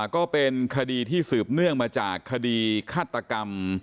ก็เป็นคดีที่สืบเนื่องมาจากคดีฆาตกรรม